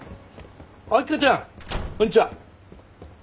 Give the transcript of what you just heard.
秋香ちゃんこんにちは。